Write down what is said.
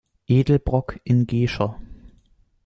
Edelbrock in Gescher.